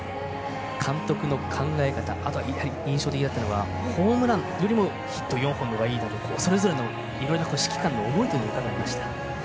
監督の考え方、印象的だったのはホームランよりもヒット４本の方がいいというそれぞれの指揮官の思いを伺いました。